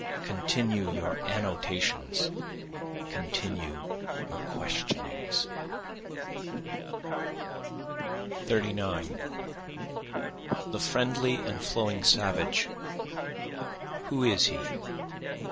Continue your annotations, continue your questionings. 39 The friendly and flowing savage, who is he?